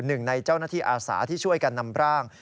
หนึ่งในเจ้าหน้าที่อาสาที่ช่วยกันนำร่าง